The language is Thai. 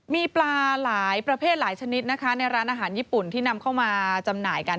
มีปลาหลายประเภทหลายชนิดนะคะในร้านอาหารญี่ปุ่นที่นำเข้ามาจำหน่ายกัน